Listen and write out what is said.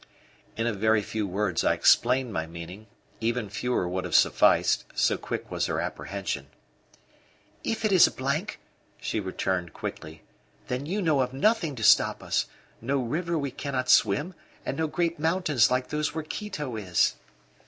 In a very few words I explained my meaning; even fewer would have sufficed, so quick was her apprehension. "If it is a blank," she returned quickly, "then you know of nothing to stop us no river we cannot swim, and no great mountains like those where Quito is."